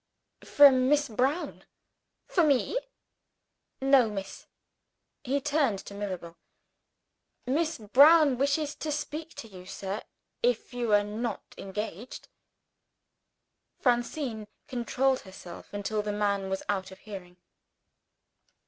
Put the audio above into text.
"From Miss Brown." "For me?" "No, miss." He turned to Mirabel. "Miss Brown wishes to speak to you, sir, if you are not engaged." Francine controlled herself until the man was out of hearing.